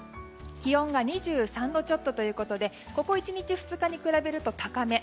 気温が２３度ちょっとということでここ１日、２日に比べると高め。